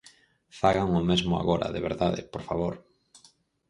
Fagan o mesmo agora, de verdade, por favor.